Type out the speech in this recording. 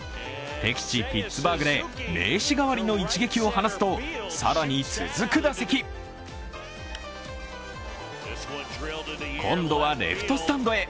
敵地・ピッツバーグで名詞代わりの一撃を放つと、更に続く打席今度はレフトスタンドへ。